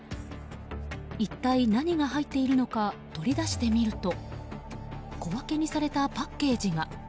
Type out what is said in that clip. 一体何が入っているのか取り出してみると小分けにされたパッケージが。